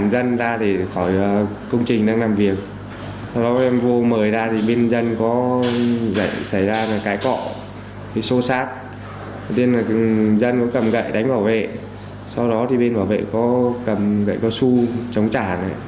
sau đó bên bảo vệ có cầm gậy cao su chống trả